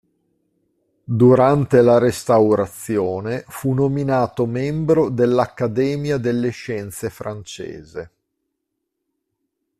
Durante la Restaurazione fu nominato membro dell'Accademia delle scienze francese.